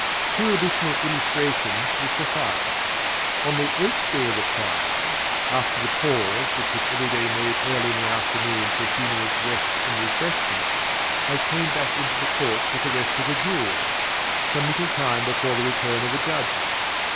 Two additional illustrations will suffice. On the eighth day of the trial, after the pause which was every day made early in the afternoon for a few minutes' rest and refreshment, I came back into Court with the rest of the Jury, some little time before the return of the Judges.